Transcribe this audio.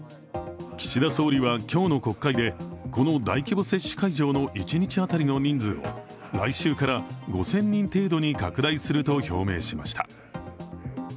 岸田総理は今日の国会で、この大規模接種会場の一日当たりの人数を来週から５０００人程度に拡大すると表明しました。